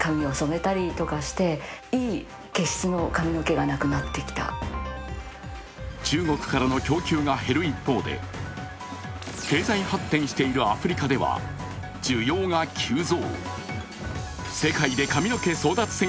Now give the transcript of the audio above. しかし近年、こんな変化が中国からの供給が減る一方で、経済発展しているアフリカでは需要が急増。